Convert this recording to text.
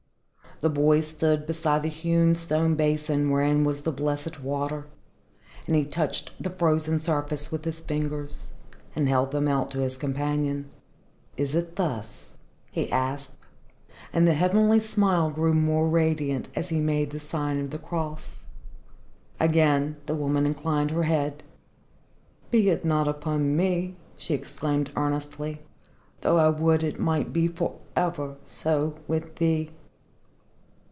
The boy stood beside the hewn stone basin wherein was the blessed water, and he touched the frozen surface with his fingers, and held them out to his companion. "Is it thus?" he asked. And the heavenly smile grew more radiant as he made the sign of the Cross. Again the woman inclined her head. "Be it not upon me!" she exclaimed earnestly. "Though I would it might be for ever so with thee."